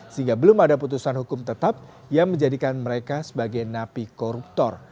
sehingga belum ada putusan hukum tetap yang menjadikan mereka sebagai napi koruptor